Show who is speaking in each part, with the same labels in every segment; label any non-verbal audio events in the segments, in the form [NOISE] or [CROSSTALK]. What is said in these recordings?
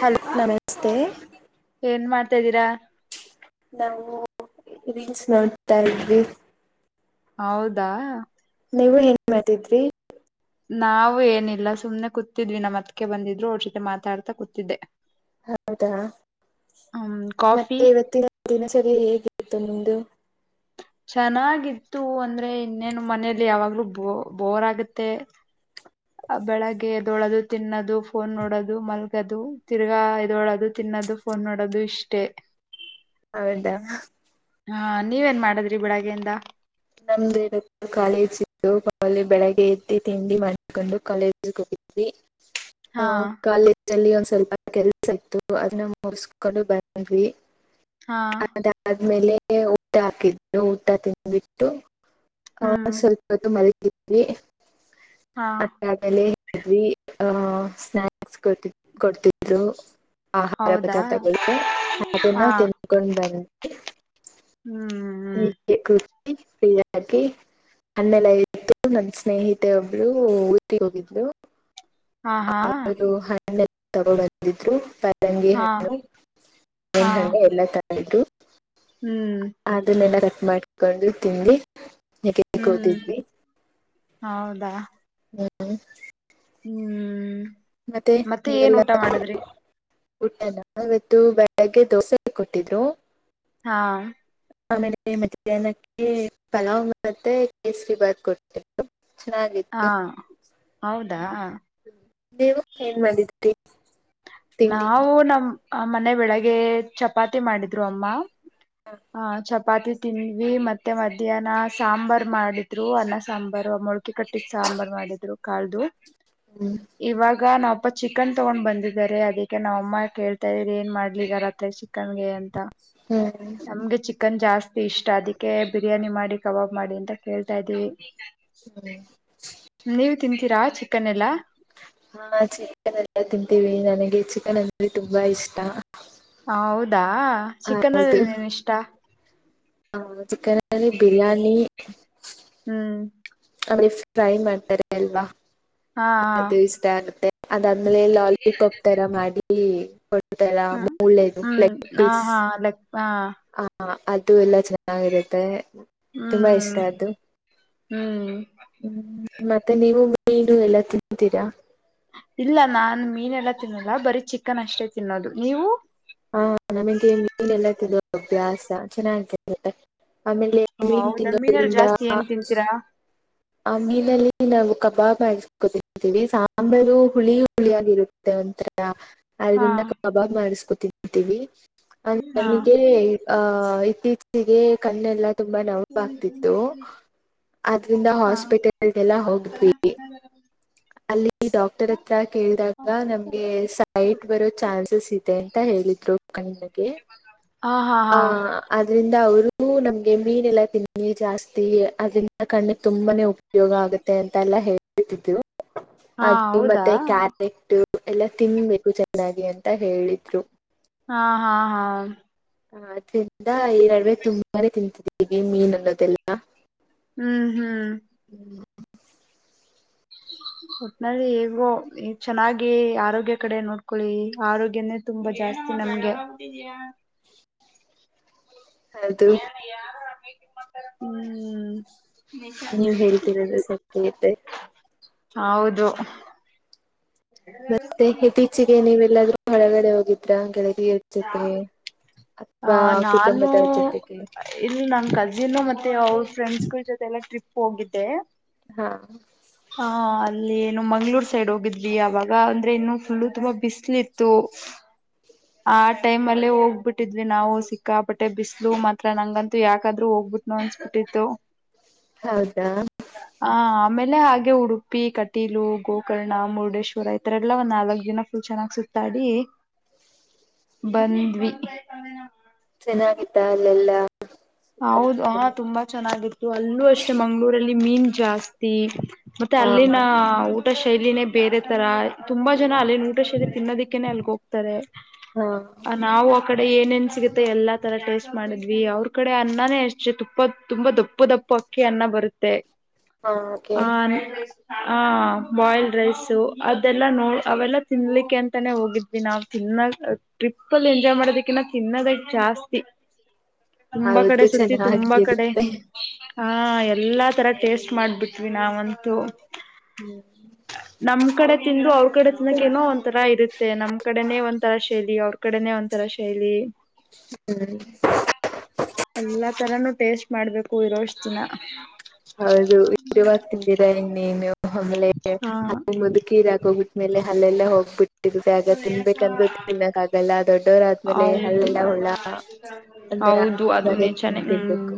Speaker 1: Hello
Speaker 2: ನಮಸ್ತೆ
Speaker 1: ಏನ್ ಮಾಡ್ತಾಿದ್ದೀರಾ
Speaker 2: ನಾವು ರೀಲ್ಸ್ ನೋಡ್ತಾ ಇದಿದ್ವಿ
Speaker 1: ಹೌದಾ
Speaker 2: ನೀವು ಹೆಂಗ ಮಾಡ್ತಿದ್ರಿ
Speaker 1: ನಾವ ಏನಿಲ್ಲ ಸುಮ್ನೆ ಕೂತಿದ್ವಿ ನಮ್ಮ ಮತ್ಕ್ಕೆ ಬಂದಿದ್ರು ಅವ್ರ ಜೊತೆ ಮಾತಾಡ್ತಾ ಕೂತಿದ್ದೆ
Speaker 2: ಹೌದಾ
Speaker 1: ಹ್ಮ
Speaker 2: ಮ
Speaker 1: ಕಾಫಿ
Speaker 2: ಇವ ದಿನಸರಿ ಹೇಗೆಿತ್ತು ನಿಂದು
Speaker 1: ಚೆನ್ನಾಗಿತ್ತು ಒಂದ ಅೆ ಇನ್ನೇನು ಮನೆಯಲ್ಲಿ ಯಾವಾಗ್ಲೂ ಬೋ ಬೋರ್ ಆಗತ್ತೆ ಬೆಳಗ್ಗೆ ಎದೋಳದು ತಿನ್ನೋದು ಫೋನ್ ನೋಡೋದು ಮಲ್ಗೋದು ತಿರ್ಗಾ ಎದೋಳದು ತಿನ್ನೋದು ಫೋನ್ ನೋಡೋದು ಇಷ್ಟೇ
Speaker 2: ಹೌದಾ
Speaker 1: ಹಾ ನೀವೇನ್ ಮಾಡದ್ರಿ ಬೆಳಗ್ಗೆಯಿಂದ
Speaker 2: ನಮ್ದು ಇ ಕಾಲೇಜ್ ಇದ್ದುಲ್ಲಿ ಬೆಳಗ್ಗೆ ಎದ್ದಿ ತಿಂಡಿ ಮಾಡಕೊಂಡು ಕಾಲೇಜಗೆ ಹೋಗಿದ್ವಿ ಹ
Speaker 1: ಹಾ
Speaker 2: ಕಾಲೇಜ ಲ್ಲಿ ಒಂದ್ ಸ್ವಲ್ಪ ಕೆಲ್ಸ ಇತ್ತು ಅದನ್ನ ಮುರ್ಸ್ಕೊಂಡು ಬಂದ್ವಿ
Speaker 1: ಹಾ
Speaker 2: ಆಮೇಲೆ ಊಟ ಹಾಕಿದ್ದು ಊಟ ತಿನ್ಬಿಟ್ಟು ಹ ಹ
Speaker 1: ಹ್ಮ್
Speaker 2: ಸ್ವಲ್ಪತ್ತು ಮರಿ ಬಿಿ
Speaker 1: ಹಾ
Speaker 2: ಅಷ್ಟಾಗಲೆ ಅಿ ಆಹ ಸ್ನಾಯಕ್ಸ್ ಕೊಡ್ತ ಕೊಡ್ತಿದ್ರು ಆಹಾರ
Speaker 1: ಹೌದಾ
Speaker 2: ಪದಾರ್ಥಗಳು ಅದನ್ನ
Speaker 1: ಹಾ
Speaker 2: ತಿನ್ಕೊಂಡ್ ಬನ್ನಿ
Speaker 1: ಹ್ಮ್
Speaker 2: ಈ
Speaker 1: ಹ್ಮ್
Speaker 2: ೀ ಹಾಕಿ ನ್ಣೆಲ್ಲ ಇತ್ತು ನನ್ ಸ್ನೇಹಿತೆ ಒಬ್ರು ಊಟಿಗೆ ಹೋಗಿದ್ರು
Speaker 1: ಹಾ ಹಾ
Speaker 2: ತಗೊ ಬಂದಿದ್ರು ತಂಗಿ
Speaker 1: ಹಾ
Speaker 2: ಹಣ್ಣು
Speaker 1: ಹಾ
Speaker 2: ಹಣ್ಣು ಎಲ್ಲ ತ [UNINTELLIGIBLE]
Speaker 1: ಹ್ಮ್
Speaker 2: ಅದನ್ನೆಲ್ಲರ ಮಾಡ್ಕೊಂಡು ತಿಂಡಿ ಯಾಕೆ
Speaker 1: ಹ್ಮ್
Speaker 2: ಕೋತಿದ್ವಿ
Speaker 1: ಹೌದಾ
Speaker 2: ಹ್ಮ್
Speaker 1: ಹ್ಮ್ [INAUDIBLE] ಮತ್ತೆ ಏನ್ ಊಟ ಮಾಡಿದ್ರಿ
Speaker 2: ಊಟನಾ ಇವತ್ತು ಬೆಳಗ್ಗೆ ದೋಸೆ ಕೊಟ್ಟಿದ್ರು
Speaker 1: ಹಾ
Speaker 2: ಆಮೇಲೆ ಮಧ್ಯಾಹ್ನಕ್ಕೆ ಪಲಾವ್ ಮತ್ತೆ ಕೇಸರಿ ಬಾತ್ ಕೊಟ್ಟತ್ತು
Speaker 1: ಹಾ [INAUDIBLE] ಹೌದಾ
Speaker 2: ನೀವು ಏನ್ ಮಾಡಿದ್ರಿ ತಿಂಡಿ
Speaker 1: ನಾವು ನಮ್ಮ್ ಆ ಮನೆ ಬೆಳಗ್ಗೆ ಚಪಾತಿ ಮಾಡಿದ್ರು ಅಮ್ಮ ಹಾ ಚಪ್ಪಾತಿ ಚಪಾತಿ ತಿಂದ್ವಿ ಮತ್ತೆ ಮಧ್ಯಾಹ್ನ ಸಾಂಬಾರ್ ಮಾಡಿದ್ರು ಅನ್ನ ಸಾಂಬಾರ್ ಮೊಳ್ಕೆ ಕಟ್ಟಿದ ಸಾಂಬಾರ್ ಮಾಡಿದ್ರು ಕಾಳ್ದು
Speaker 2: ಹ್ಮ್
Speaker 1: ಇವಾಗ ಅಪ್ಪ ಚಿಕನ್ ತೊಗೊಂಡ್ ಬಂದಿದಿದ್ದಾರೆ ಅದಕ್ಕೆ ನಾವು ಅಮ್ಮ ಕೇಳ್ತಾ ಇದಿದ್ದಾರೆ ಏನ್ ಮಾಡ್ಲಿ ರಾತ್ರೆ ಚಿಕನ್ಗೆ ಅಂತ
Speaker 2: ಹ್ಮ್
Speaker 1: ನಮ್ಗೆ ಚಿಕನ್ ಜಾಸ್ತಿ ಇಷ್ಟ ಅದಕ್ಕೆ ಬಿರಿಯಾನಿ ಮಾಡಿ ಕಬಾಬ್ ಮಾಡಿ ಅಂತ ಕೇಳ್ತಾ ಇದ್ವಿ ನೀವು ತಿಂತೀರಾ ಚಿಕ್ಕನ್ ಚಿಕನೆಲ್ಲ
Speaker 2: ಹಾ ಚಿಕನ್ ಎಲ್ಲಾ ತಿಂತೀವಿ ನನಗೆ ಚಿಕನ್ ಅಂದ್ರೆ ತುಂಬಾ ಇಷ್ಟ
Speaker 1: ಹಾ ಹೌದ ಚಿಕನ್ ಅಲ್ಲಿ ಏನ್ ಇಷ್ಟ
Speaker 2: ಹಾ ಚಿಕನ್ ಬಿರಿಯಾನಿ
Speaker 1: ಹ್ಮ್
Speaker 2: ಅಂದ್ರೆ ಫ್ರೈ ಮಾಡ್ತಾರೆ ಅಲ್ವಾ
Speaker 1: ಹಾ ಹಾ
Speaker 2: ಅದು ಇಷ್ಟ ಆಗುತ್ತೆ [UNINTELLIGIBLE] ಆದ್ಮೇಲೆ ಲಾಲಿಪಾಪ್ ತರ ಮಾಡಿ ಈ [UNINTELLIGIBLE] ಎಲ್ಲ
Speaker 1: ಹ್ಮ
Speaker 2: ಮೂಳೆದು
Speaker 1: ಹ್ಮ್
Speaker 2: ಲೆಗ್
Speaker 1: ಹಾ
Speaker 2: ಪೀಸ್
Speaker 1: ಹಾ ಲಕ್ ಹಾ
Speaker 2: ಹ ಅದು ಎಲ್ಲ ಚೆನ್ನಾಗಿರುತ್ತೆ ತುಂಬಾ
Speaker 1: ಹ್ಮ್
Speaker 2: ಇಷ್ಟ
Speaker 1: ಹ್ಮ್
Speaker 2: ಅು್ಮ ಮತ್ತೆ ನೀವು ಏನು ಎಲ್ಲ ತಿಂತೀರಾ
Speaker 1: ಇಲ್ಲ ನಾನನ್ ಮೀನೆಲ್ಲಾ ತಿನ್ನಲ್ಲ ಬರೀ ಚಿಕನ್ ಅಷ್ಟೇ ತಿನ್ನೋದು ನೀವು
Speaker 2: ಹಾ ನಮಗೆ ನೀನ್ಲ್ತಿ ಅಭ್ಯಾಸ ಚೆನ್ನಾಗ ಆಮೇಲೆ ವೀನು
Speaker 1: ಹೌದಾ ಮೀನಲ್ಲಿ
Speaker 2: ತಿನ್ನೋದ್ರಿಂದ
Speaker 1: ಜಾಸ್ತಿ ಏನ್ ತಿಂತೀರಾ
Speaker 2: ಆ ಮೀನಲ್ಲಿ ನಾವು ಕಬಾಬ್ ಹಾಕೊತಿದ್ದೀವಿ ಸಾಂಬಾರು ಹುಳಿ ಹುಳಿಯಾಗಿರುತ್ತೆ ಒಂಥರ
Speaker 1: ಹಾ
Speaker 2: ಅದ್ರಿಂದ ಕಬಾಬ್ ಮಾರಿಸ್ಕೊತ ವಿ
Speaker 1: ಹಾ
Speaker 2: ನನಗೆ ಆ ಇತ್ತೀಚ ಿಗೆ ಕಣ್ಣೆಲ್ಲ ತುಂಬಾ ನೋಾಗಗ್ತಿತ್ತು ಆದ್ರಿಂದ
Speaker 1: ಹಾ
Speaker 2: ಹಾಸ್ಪಿಟಲ್ದೆಲ್ಲ ಹೋಗದ್ವಿ ಅಲ್ಲಿ ಡಾಕ್ಟರ್ ಹತ್ರ ಕೇಳಿದಾಗ ನಮ್ಗೆ ಸೈಟ್ ಬರೋ ಚಾನ್ಸಸ್ ಇದೆ ಅಂತ ಹೇಳಿದ್ರು
Speaker 1: ಹಾ ಹಾ ಹಾ
Speaker 2: ಆ
Speaker 1: ಹಾ
Speaker 2: ಅದ್ರಿಂದ ಅವರು ನಮ್ಗೆ ಮೀನ್ ಎಲ್ಲ ತಿನ್ನಿ ಜಾಸ್ತಿ ಅದ್ರಂದ ಕಣ್ಣಿಗೆ ತುಂಬಾನೇ ಉಪಯೋಗ ಆಗುತ್ತೆ ಅಂತ ಎಲ್ಲ ಹೇಳ್ತಿದ್ರು ಅದು
Speaker 1: ಹೌದಾ
Speaker 2: ಮತ್ತೆ ಕ್ಯಾರೆಟ್ ಎಲ್ಲಾ ತಿನ್ಬೇಕು ಚೆನ್ನಾಗಿ ಅಂತ ಹೇಳಿದ್ರು
Speaker 1: ಹಾ ಹಾ ಹಾ
Speaker 2: ಹ ಅದ್ರಿಂದ ಈರಡವೆ ತುಂಬಾನೇ ತಿಂತಿದ್ದೀವಿ ಮೀನ್ ಅನ್ನೋದೆಲ್ಲ
Speaker 1: ಹ್ಮ್ ಹ್ಮ್. ಒಟ್ನ ಈಗೋ ಈ ಚೆನ್ನಾಗಿ ಆರೋಗ್ಯ ಕಡೆ ನೋಡ್ಕೊಳ್ಳಿ ಆರೋಗ್ಯನೇ ತುಂಬಾ ಜಾಸ್ತಿ ನಮ್ಗೆ
Speaker 2: ಅದು
Speaker 1: ಏನ ಯಾರು ಅಮ ಹ್ಮ್
Speaker 2: ನೀವ್ ಹೇಳ್ತೀರದು್ರೆ ಸತ್ಯತ್ತೆ
Speaker 1: ಹೌದು
Speaker 2: ಮತ್ತೆ ಇತ್ತೀಚೆಗೆ ನೀವೆಲ್ಲಾದ್ರೂ. ಹೊರಗಡೆ ಹೋಗಿದ್ರಾ ಗೆಳತಿ.
Speaker 1: ಅ ನಾನು
Speaker 2: ಕುಟುಂಬದವ್ರ ಜೊತೆಗೆ
Speaker 1: ಇಲ್ಲಿ ನನ್ ಕಜಿನ್ ಮತ್ತೆ ಅವ್ರು ಫ್ರೆಂಡ್ಸ್ ಗಳ ಜೊತೆ ಎಲ್ಲ ಟ್ರಿಪ್ ಹೋಗಿದ್ದೆ.
Speaker 2: ಹಾ.
Speaker 1: ಆ ಅಲ್ಲಿ ಏನು ಮಂಗ್ಳೂರ್ ಸೈಡ್ ಹೋಗಿದ್ವಿ ಅವಾಗ ಅಂದ್ರೆ ಇನ್ನು ಫುಲ್ಲು ತುಂಬಾ ಬಿಸಿಲು ಇತ್ತು. ಆ ಟೈಮ್ ಅಲ್ಲಿ ಹೋಗ್ಬಿಟ್ಟಿದ್ವಿ ನಾವು ಸಿಕ್ಕಾಪಟ್ಟೆ ಬಿಸಲು ಮಾತ್ರ ನಂಗಂತೂ ಯಾಕಾದ್ರು ಹೋಗ್ಬಿಟ್ನೋ ಅನ್ಸ್ಬಿಟ್ಟಿತ್ತು.
Speaker 2: ಹೌದಾ.
Speaker 1: ಆ ಆಮೇಲೆ ಹಾಗೆ ಉಡುಪಿ ಕಟೀಲು ಗೋಕರ್ಣ ಮುರುಡೇಶ್ವರ ಇತರೆ ಎಲ್ಲಾ ಒಂದ್ ನಾಲ್ಕು ದಿನ ಫುಲ್ ಚೆನ್ನಾಗಿ ಸುತ್ತಾಡಿ. ಬಂದ್ವಿ.
Speaker 2: ಚೆನ್ನಾಗಿತ್ತಾ ಅಲ್ಲೆಲ್ಲಾ.
Speaker 1: ಹೌದು ಹ ತುಂಬಾ ಚೆನ್ನಾಗಿತ್ತು ಅಲ್ಲೂ ಅಷ್ಟೆ ಮಂಗ್ಗಳೂರಲ್ಲಿ ಮೀನ್ ಜಾಸ್ತಿ ಮತ್ತೆ ಅಲ್ಲಿನ
Speaker 2: ಹಾ
Speaker 1: ಊಟ. ಶೈಲಿನೇ ಬೇರೆ ತರ ತುಂಬಾ ಜನ ಅಲ್ಲಿ ಊಟ ಶೈಲಿ ತಿನ್ನೋದಿಕ್ಕೇನೆ ಅಲ್ಲಿಗೆ ಹೋಗ್ತಾರೆ.
Speaker 2: ಹಾ.
Speaker 1: ನಾವು ಆ ಕಡೆ ಏನೇನ್ ಸಿಗುತ್ತೆ ಎಲ್ಲಾ ತರ ಟೇಸ್ಟ್ ಮಾಡಿದ್ವಿ ಅವ್ರು. ಆ ಕಡೆ ಅನ್ನನೇ ಅಷ್ಟೇ ತುಪ್ಪ ತುಂಬಾ ದಪ್ಪಾ ದಪ್ಪಾ ಅಕ್ಕಿ ಅನ್ನ ಬರುತ್ತೆ.
Speaker 2: ಹಾಗೆ
Speaker 1: ಹಾ. ಹ ಬಾಯ್ಲ್ಡ್ ರೈಸು ಅದೆಲ್ಲಾ ನೋಡ್ ಅವೆಲ್ಲ ತಿನ್ಲಿಕ್ಕೆ ಅಂತಾನೇ ಹೋಗಿದ್ವಿ ನಾವ್ ತಿನ್ನ ಟ್ರಿಪ್ ಅಲ್ಲಿ ಎಂಜಾಯ್ ಮಾಡದಕಿನ್ನ ತಿನ್ನೋದೇ ಜಾಸ್ತಿ. ತುಂಬಾ ಕಡೆ
Speaker 2: ಹೌದು
Speaker 1: ಸುತ್ತಿ ತುಂಬಾ ಕಡೆ.
Speaker 2: ಚೆನ್ನಾಗಿರುತ್ತೆ
Speaker 1: ಆ ಎಲ್ಲಾ ತರ ಟೇಸ್ಟ್ ಮಾಡ್ಬಿಟ್ವಿ ನಾವಂತೂ.
Speaker 2: ಹ್ಮ್
Speaker 1: ನಮ್ ಕಡೆ ತಿಂದ್ರು ಅವ್ರ ಕಡೆ ತಿನ್ನೋಕೆ ಏನೋ ಒಂಥರ ಇರುತ್ತೆ ನಮ್ ಕಡೆನೇ ಒಂದು. ತರ ಶೈಲಿ ಅವ್ರ ಕಡೆನೇ ಒಂತರ ಶೈಲಿ.
Speaker 2: ಹ್ಮ್. [INAUDIBLE]
Speaker 1: ಎಲ್ಲಾ ತರಾನು ಟೇಸ್ಟ್ ಮಾಡ್ಬೇಕು ಇರೋಷ್ಟು ದಿನ.
Speaker 2: ಹೌದು ವಿವರವಾಗಿ ತಿಂದಿರಾ ಇನ್ನೇನು. ಆಮೇಲೆ
Speaker 1: ಹಾ
Speaker 2: ಅ ಮುದ್ಕಿರ ಹಾಕೋಗ್ಬಿಟ್ಟ್ಮೇಲೆ ಹಲ್ಲೆಲಾ ಹೋಗ್ಬಿಟ್ಟು. ಆಗ ತಿನ್ಬೇಕಂದ್ರರು ತಿನ್ನಕ್ ಆಗಲ್ಲ ದೊಡ್ಡವರ ಆದ್ಮೇಲೆ
Speaker 1: ಹೌದು
Speaker 2: ಹಲ್ಲೆಲ್ಲ ಹುಳ ಒಂದು ತರ
Speaker 1: ಹೌದು ಅದು
Speaker 2: ಇವಾಗೇ
Speaker 1: ನಿಜಾನೆ ಹ್ಮ್
Speaker 2: ತಿನ್ಂತರ್ಬೇಕು.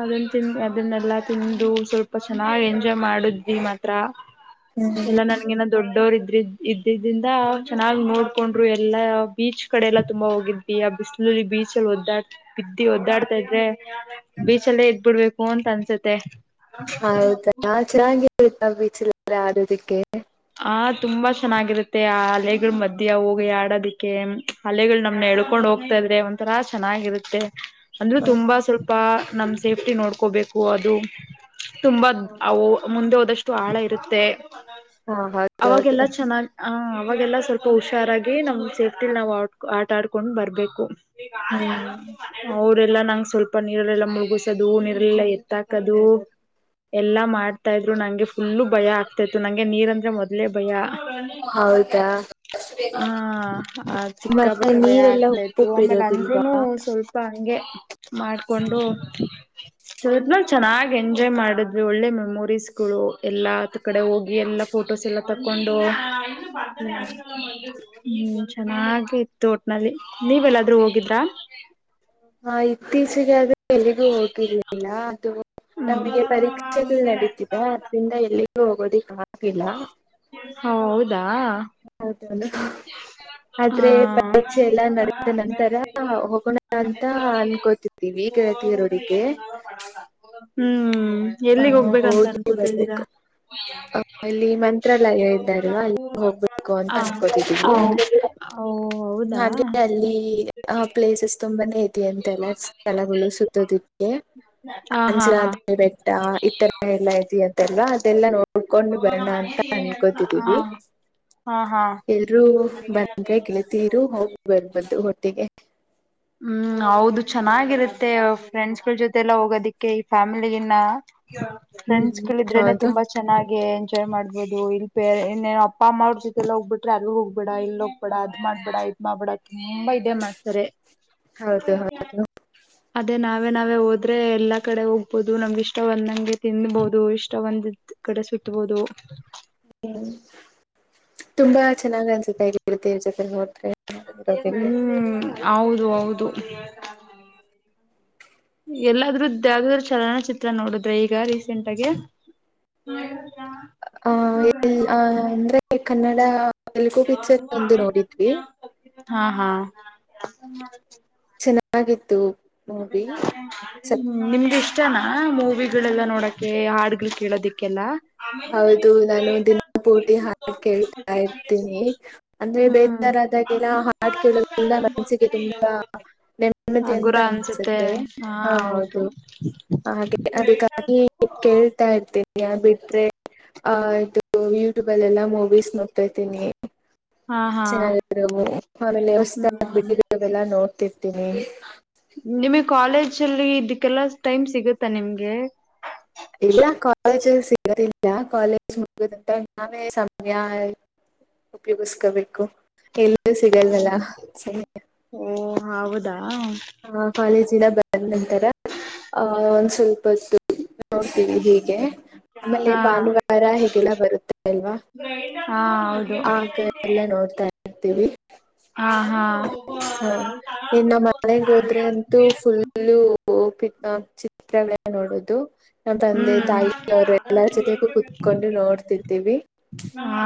Speaker 1: ಅದನ್ ತಿನ್ ಅದನ್ನೆಲ್ಲಾ ತಿಂದು ಸ್ವಲ್ಪ ಚೆನ್ನಾಗ್ ಎಂಜಾಯ್ ಮಾಡುದ್ವಿ ಮಾತ್ರ.
Speaker 2: ಹ್ಮ್
Speaker 1: ಎಲ್ಲ ನನಗಿನ್ನಾ. ದಡ್ಡೋರ್ ಇದ್ರ್ ಇದ್ದ್ರಿಂದ ಚೆನ್ನಾಗ್ ನೋಡ್ಕೊಂಡ್ರು ಎಲ್ಲಾ ಬೀಚ್ ಕಡೆ ಎಲ್ಲಾ ತುಂಬಾ ಹೋಗಿದ್ವಿ ಆ ಬಿಸಿಲಲ್ಲಿ ಬೀಚ್ ಅಲ್ಲಿ ಒದ್ದಾಡ್ ಬಿದ್ದಿ ಒದ್ದಾಡ್ತಾ ಇದ್ರೆ ಬೀಚಲ್ಲೇ ಇದದ್ಬಿಡ್ಬೇಕು ಅಂತ ಅನ್ಸುತ್ತೆ.
Speaker 2: ಹೌದ ಚೆನ್ನಾಗಿತ್ತಾ. ಬೀಚಿಲ್ಲಲ್ಲ [UNINTELLIGIBLE] ಆಡೋದಕ್ಕೆ.
Speaker 1: ಆ ತುಂಬಾ ಚೆನ್ನಾಗಿರುತ್ತೆ ಆ ಹಲೆಗಳ ಮಧ್ಯ ಹೋಗಿ ಆಡೋದಿಕ್ಕೆ ಹಲೆಗಳು ನಮ್ನ ಎಳ್ಕೊಂಡ್ ಹೋಗ್ತಾ ಇದ್ರೆ ಒಂಥರಾ ಚೆನ್ನಾಗಿರುತ್ತೆ. ಅಂದ್ರೂ ತುಂಬಾ ಸ್ವಲ್ಪ ನಮ್ಮ್. ಸೇಫ್ಟಿ ನೋಡ್ಕೋಬೇಕು ಅದು. ತುಂಬಾ ಅವು
Speaker 2: ಹಾ
Speaker 1: ಮುಂದೆ ಹೋದಷ್ಟು. ಆಳ ಇರುತ್ತೆ
Speaker 2: ಹಾ ಹೌದು ಹೌದು
Speaker 1: ಹ ಅವಾಗೆಲ್ಲ ಸ್ವಲ್ಪ ಹುಷಾರಾಗಿ ನಮ್ ಸೇಫ್ಟಿಲಿ ನಾವು ಆ ಆಟ ಆಡ್ಕೊಂಡ್ ಬರ್ಬೇಕು ಅವರೆಲ್ಲಾ
Speaker 2: ಹ್ಮ್
Speaker 1: ನಂಗ್ ಸ್ವಲ್ಪ ನೀರಲ್ಲಲ್ಲ ಮುಳುಗಸದು ನೀರಲ್ಲಲ್ಲ ಎತ್ತಾಕದು ಎಲ್ಲಾ ಮಾಡ ಇದ್ರು ನಂಗೆ ಫುಲ್ಲು ಭಯ ಆಗ್ತಾ ಇತ್ತು ನಂಗೆ ನೀರ್ ಅಂತ ಮೊದ್ಲೇ ಭಯ
Speaker 2: ಹೌದಾ
Speaker 1: ಆ ಆ ಚಿಕ್ಕ
Speaker 2: ಮತ್ತೆ
Speaker 1: ಬಟ್ಟೆ ಭಯ
Speaker 2: ನೀರೆಲ್ಲ
Speaker 1: ಆಗ್ತಾ ಇತ್ತು
Speaker 2: ಉಪ್ಪುಪ್ಪ
Speaker 1: ಆಮೇಲೆ
Speaker 2: ಇರೋದಿಲ್ವಾ
Speaker 1: ಅಂದ್ರನು ಸಹಿಸು ಗೆ ಮಾಡ್ಕೊಂಡು ಚ ಚೆನ್ನಾಗಿ ಎಂಜಾಯ್ ಮಾಡಿದ್ವಿ ಒಳ್ಳೆ ಮೆಮೊರೀಸ್ ಗಳು ಎಲ್ಲಾ ಕಡೆ ಹೋಗಿ ಎಲ್ಲ ಫೋಟೋಸ್ ಎಲ್ಲ ತಗೊಂಡು ನೀ ಬರ್ತಡೇ
Speaker 2: ಹ್ಮ್
Speaker 1: ಯಾರೀಗಮ ಹೋಗದು ಹ್ಮ್ ಚೆನ್ನಾಗಿ ಇತ್ತು ಒಟ್ನಲ್ಲಿ ನೀವೆಲ್ಲಾದ್ರೂ ಹೋಗಿದ್ರಾ
Speaker 2: ಆಯ್ತು ತೀಸರಿಯಾದು ಎಲ್ಲಿಗೂ ಹೋಗಿರ್ಲಿಲ್ಲ ಅದು ನಮಗೆ ಪರೀಕ್ಷೆಗಳು
Speaker 1: ಹ್ಮ್
Speaker 2: ನಡೀತಿದೆ ಅದ್ರಿಂದ ಎಲ್ಲಿಗೂ ಹೋಗೋದಿಕ್ ಆಗುತ್ತಿಲ್ಲ
Speaker 1: ಹಲೋ
Speaker 2: ಆದ್ರೆ ಪರೀಕ್ಷೆ
Speaker 1: ಹ್ಮ್
Speaker 2: ಎಲ್ಲಾ ನಡೆದ ನಂತರ ಹೋಗೋಣ ಅಂತ ಅನ್ಕೋತಿದ್ದೀವಿ ಗೆಳತಿಯರೊಡಗೆ
Speaker 1: ಹ್ಮ್ ಎಲ್ಲಿಗ್ ಹೋಗ್ಬೇಕಂತ ಅನ್ಕೋತಿದ್ದೀರಾ
Speaker 2: ಬರ್ಬೇಕು. ಆ ಇಲ್ಲಿ ಮಂತ್ರಾಲಯ ಇದೆ ಹ
Speaker 1: ಹ ಓ ಹೌದಾ
Speaker 2: ಅಂದೆ ಅಲ್ಲಿ ಪ್ಲೇಸಸ್ ತು ಬಂದೆ ಅಂತೆಲ್ಲ ಸ್ಥಳಗಳು ಸುತ್ತದಕ್ಕೆ
Speaker 1: ಹಾ ಹಾ ಹಾ
Speaker 2: ಅಂಜಿನ್ಯ ಈತರ ಎಲ್ಲಾಐ ಅಂತಲ್ವಾ ಅದೆಲ್ಲ ನೋಡ್ಕೊಂಡು ಬರೋಣ ಅಂತ
Speaker 1: ಹಾ
Speaker 2: ಅನ್ಕೋತಿದೀವಿ
Speaker 1: ಹಾ ಹಾ
Speaker 2: ಎರು ಬಂದ್ರೆ ಗೆಳತೀರು ಹೋಗಿ ಬರ್ಬು ಒಟ್ಟಿಗೆ
Speaker 1: ಹ್ಮ್ ಹೌದು ಚೆನ್ನಾಗಿರುತ್ತೆ ಫ್ರೆಂಡ್ಸ್ ಗಳ ಜೊತೆಗೆ ಹೋಗೋದಿಕ್ಕೆ ಈ ಫ್ಯಾಮಿಲಿಗನ್ನ ಫ್ರೆಂಡ್ಸ್
Speaker 2: ಹ್ಮ್
Speaker 1: ಇದ್ರೇನೆ
Speaker 2: ಹೌದು
Speaker 1: ತುಂಬಾ ಚೆನ್ನ ಹಾಗೆ ಎಂಜಾಯ್ ಮಾಡ್ಬೋುದು ಇಲ್ ಇನ್ನೇ ಅಪ್ಪ ಅಮ್ಮ ಅವ್ರ ಜೊತೆಲ್ಲ ಹೋಗ್ಬಿಟ್ರೆ ಅಲ್ ಹೋಗ್ಬೇಡ ಇ ಹೋಗ್ಬೇಡ ಅದ್ ಮಾಡ್ಬೇಡ ಇದ್ ಮಾಡ್ಬೇಡ ತುಂಬಾ ಇದೇ ಮಾಡ್ತಾರೆ
Speaker 2: ಹೌದು ಹೌದು
Speaker 1: ಅದೇ ನಾವೇ ನಾವೇ ಹೋದ್ರೆ ಎಲ್ಲಾ ಕಡೆ ಹೋಗ್ಬಹದು ನಮ್ಗೆ ಇಷ್ಟ ಒಂದಂಗೆ ತಿನ್ಬಹದು ಇಷ್ಟ ಒಂದ್ ಕಡೆ ಸುತ್ತಬಹುದು
Speaker 2: ಹ್ಮ್ ತುಂಬಾ ಚೆನ್ನಾಗ್ ಅನ್ಸುತ್ತೆ ಈ ಕೇಳ್ತೇವ ಜೊತೆ ನೋದ್ರೆ
Speaker 1: ಹ್ಮ್ ಹೌದು ಹೌದು ಎಲ್ಲಾದ್ರೂದ ಯ ಚಲನಚಿತ್ರ ನೋಡುದ್ರೆ ಈಗ ರೀಸೆಂಟ್ ಆಗಿ
Speaker 2: ಆ ಎ ಅಂದ್ರೆ ಕನ್ನಡ ಹ ತೆಲ್ಗು ಪಿಕ್ಚರ್
Speaker 1: ಅದು
Speaker 2: ಒಂದು
Speaker 1: ಆಮೇಲೆ
Speaker 2: ನೋಡಿದ್ವಿ
Speaker 1: ಹಾ ಹಾ
Speaker 2: ಚೆನ್ನಾಗಿತ್ತು ಮೂವಿ
Speaker 1: ಹ್ಮ ನಿಮ್ಗೆ ಇಷ್ಟನಾ ಕವಿಗಳೆಲ್ಲಾ ನೋಡಕೆ ಹಾಡ್ಗಳು ಕೇಳೋದಿಕ್ಕೆಲ್ಲ
Speaker 2: ಹೌದು ನಾನು ದಿನಪೂಟಿ ಹಾಡು ಕೇಳ್ತಾ ಇರ್ತೀನಿ ಅಂದ್ರೆ
Speaker 1: ಹ್ಮ್
Speaker 2: ಬೇಜಾರ ಆದಾಗೆಲ್ಲ ಹಾಡು ಕೇಳೋದ್ರಿಂದ ಮನಸ್ಸಿಗೆ ತುಂಬಾ ನೆಮ್ಮದಿ ಅಂತ ಅ ಅನ್ಸುತ್ತೆ ಹಾ ಹೌದು ಹಾಗೆ ಅದಕ್ಕ ಕೇಳ್ತಾ ಇರ್ತೀನೆ ಯಾನ್ ಬಿಟ್ರೆ ಆ ಇದು ಯೂಟ್ಯೂಬ್ ಅಲ್ಲೆಲ್ಲ ಮೂವೀಸ್ ನೋಡ್ ನಿ
Speaker 1: ಹಾ ಹಾ
Speaker 2: ಚೆನ್ನಾಗಿದವು ಆಮೇಲೆ ವ
Speaker 1: ಹ್ಮ್ ಹ್ಮ್
Speaker 2: ಆಗ್ಬಿಟ್ಟಿದರುಲ್ಲ ನೋಡ್ ರ್ತೀನಿ
Speaker 1: ಲ್ಲಿ ಇದಕ್ಕೆಲ್ಲ ಟೈಮ್ ಸಿಗುತ್ತಾ ನಿಮ್ಗೆ
Speaker 2: ಇಲ್ಲ ಕಾಲೇಜ ಸಿಗೋದಿಲ್ಲ ಕಾಲೇಜ್ ಮುಗದಂತ ನಾವೇ ಸಮಯ ಉಪಯೋಗಸ್ಕೋಬೇಕು. ಎಲ್ಲ ಸಿಗಲ್ವಲ್ಲ ಸರಿ
Speaker 1: ಓ ಹೌದಾ
Speaker 2: ಹ ಕಾಲೇಜ್ ದಿನ ಬಂದ ನಂತರ ಅಹ ಒಂದ ಸ್ವಲ್ಪ ಹೊತ್ತು ನೋಡ್ತೀವಿ ಹೀಗೆ ಆಮೇಲೆ
Speaker 1: ಹಾ
Speaker 2: ಭಾನುವಾರ ಹೇಗೆಲ್ಲ ಬರುತ್ತೆ ಅಲ್ವಾ
Speaker 1: ಹಾ
Speaker 2: ಆಗ
Speaker 1: ಹೌದು
Speaker 2: ಎಲ್ಲ ನೋಡ್ತಾರೆ ಇರ್ತೀವಿ
Speaker 1: ಹಾ ಹಾ
Speaker 2: ಇನ್ನು ಮನೆಗ್ ಹೋದ್ರೆ ಅಂತೂ ಫುಲ್ಲ ಪಿ ಆ ಚಿತ್ರಗಳ ನೋಡದು ನಾ ತಂದೆ
Speaker 1: ಹ್ಮ್
Speaker 2: ತಾಯಿ ಅವರು ಎಲ್ಲರ ಜೊತೆಗೂ ಕುೂತ್ಕೊಂಡು ನೋಡ್ತಿರ್ತೀವಿ
Speaker 1: ಹಾ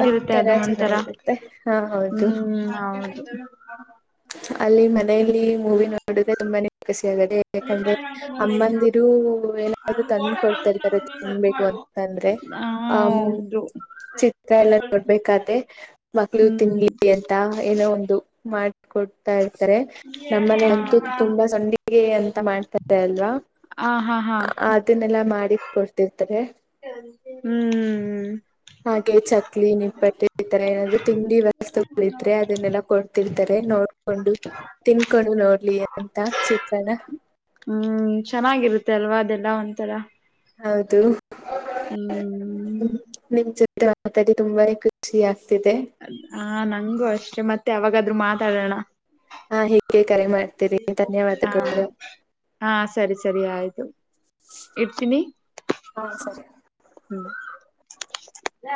Speaker 2: ಅ
Speaker 1: ಅದು
Speaker 2: ತರ
Speaker 1: ಒಂಥರ
Speaker 2: ಚೆನ್ನಾಗಿರುತ್ತೆ ಹಾ ಹೌದು
Speaker 1: ಹ್ಮ್ ಹೌದು ಹ
Speaker 2: ಅಲ್ಲಿ ಮನೆಯಲ್ಲಿ ಮೂವಿ ನೋಡುದ ತುಂಬಾನೇ ಸಿ ಆಗದೆ ಯಾಕಂದ್ರೆ ಅಮ್ಮಂದಿರು ಏನಾದರು ತಂದ್ಕೊಡ್ತಾ ಇರ್ತಾರೆ ತಿನ್ಬೇಕು ಅಂತಂದ್ರೆ ಆ
Speaker 1: ಹೌದು
Speaker 2: ಚಿತ್ರ ಎಲ್ಲ ನೋಡ್ಬೇಕಾದೆ ಮಕ್ಳು ತಿನ್ ಅಂತ ಏನೋ ಒಂದು ಮಾಡ ಕೊಟ್ ತ್ತ ನಮ್ಮನ ಅಂತೂ ತುಂಬಾ ಸಂಡಿಗೆ ಅಂತ ಮಾಡ್ತ ಅಲ್ವಾ
Speaker 1: ಹ ಹಾ ಹಾ
Speaker 2: ಲ್ಲ ಮಾಡಿ ಕೊಡ್ತವಿ
Speaker 1: ಹ್ಮ್
Speaker 2: ಹಾಗೆ ಚಕ್ಲಿ ನಿಪ್ಪಟ್ಟೆ ಈ ತರ ಏನಾದ್ರು ತಿಂಡಿ ವಸ್ತುಗಳ ಇದ್ರೆ ಅದನ್ನೆಲ್ಲಾ ಕೊಡ್ತಿರ್ತಾರೆ ನೋಡ್ ೊಂಡು ತಿನ್ಕೊಂಡು ನೋಡ್ಲಿ ಎಂತ ಚಿತ್ರನ
Speaker 1: ಹ್ಮ್ ಚೆನ್ನಾಗಿರುತ್ತೆ ಅಲ್ವಾ ಅದೆಲ್ಲಾ ಒಂಥರ
Speaker 2: ಹೌದು [INAUDIBLE]
Speaker 1: ಹ್ಮ್
Speaker 2: ಹ್ಮ್ ನಿಮ್ ಜೋತ್ [UNINTELLIGIBLE] ತುಂಬಾನೇ ಖುಷಿ ಆಗ್ತ
Speaker 1: ಆ ನಂಗೂ ಅಷ್ಟೆ ಮತ್ತೆ ಅವಾಗ ಆದ್ರರು ಮಾತಾಡೋಣ
Speaker 2: ಹಾ ಹೀಗೆ ಕರೆ ಮಾಡ್ತೀರಿ
Speaker 1: ಹಾ
Speaker 2: ಧನ್ಯವಾದಗಳು
Speaker 1: ಹಾ ಸರಿ ಸರಿ ಆಯ್ತು ಇಡ್ತೀನಿ [INAUDIBLE]
Speaker 2: ಹಾ ಸರಿ.
Speaker 1: ಹ್ಮ್ [UNINTELLIGIBLE]